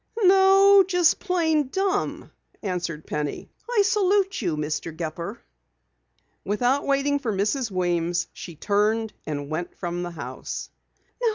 "No, just plain dumb," answered Penny. "I salute you, Mr. Gepper." Without waiting for Mrs. Weems, she turned and went from the house.